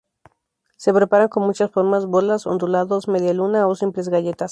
Se preparan con muchas formas: bolas, ondulados, media luna o simples galletas.